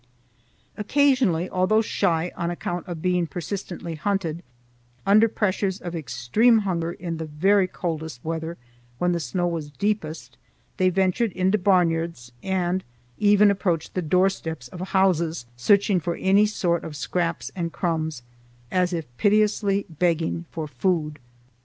Occasionally, although shy on account of being persistently hunted, under pressure of extreme hunger in the very coldest weather when the snow was deepest they ventured into barnyards and even approached the doorsteps of houses, searching for any sort of scraps and crumbs, as if piteously begging for food.